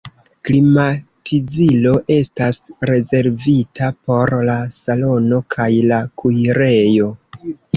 Klimatizilo estas rezervita por la salono kaj la kuirejo.